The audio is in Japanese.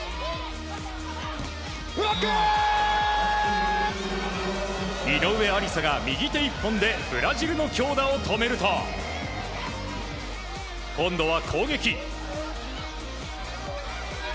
ブロック！井上愛里沙が右手１本でブラジルの強打を止めると今度は攻撃。